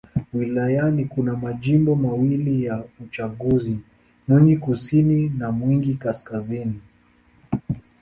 Wilayani kuna majimbo mawili ya uchaguzi: Mwingi Kaskazini na Mwingi Kusini.